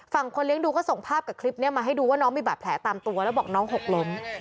คนเลี้ยงดูก็ส่งภาพกับคลิปนี้มาให้ดูว่าน้องมีบาดแผลตามตัวแล้วบอกน้องหกล้ม